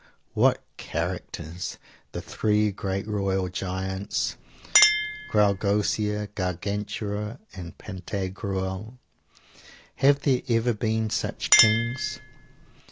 What characters! The three great royal giants, Graugousier, Gargantua and Pantagruel have there ever been such kings?